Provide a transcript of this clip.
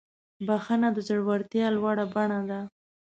بخښنه د زړورتیا لوړه بڼه ده.